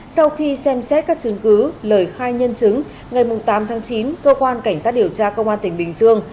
sau khi xem xét các chứng cứ lời khai nhân chứng ngày tám tháng chín cơ quan cảnh sát điều tra công an tỉnh bình dương